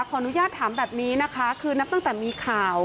ขออนุญาตถามแบบนี้นะคะคือนับตั้งแต่มีข่าว